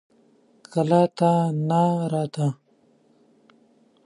کلا ته نه راته.